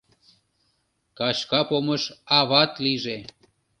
Кашка помыш ават лийже!